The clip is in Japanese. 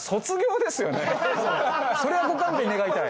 それはご勘弁願いたい。